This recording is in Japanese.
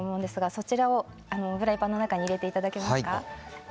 こちらをフライパンに入れていただけますか。